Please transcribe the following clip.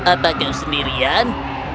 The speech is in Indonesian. apakah kau sendirian